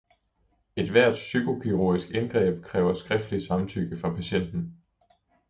Ethvert psykokirurgisk indgreb kræver skriftligt samtykke fra patienten.